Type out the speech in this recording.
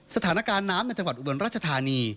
สถานการณ์น้ำในจังหวัดอุบลราชธานี